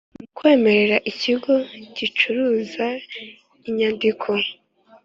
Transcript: Mu kwemerera ikigo gicuruza inyandiko